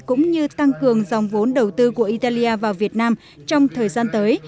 cũng như tăng cường dòng vốn đầu tư của italia vào việt nam trong thời gian tới